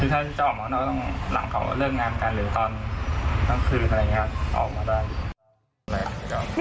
ถ้าจะออกมาก็ต้องหลังเขาเลือกงานกันหรือตอนตั้งคืนอะไรอย่างนี้ออกมาได้